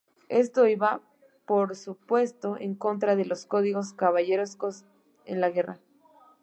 Esto iba, por supuesto, en contra de los códigos caballerescos en la guerra.